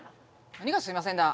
何が「すいません」だ。